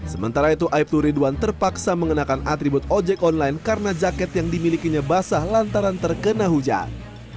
sementara itu aibtu ridwan terpaksa mengenakan atribut ojek online karena jaket yang dimilikinya basah lantaran terkena hujan